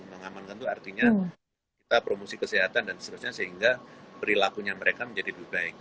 mengamankan itu artinya kita promosi kesehatan dan seterusnya sehingga perilakunya mereka menjadi lebih baik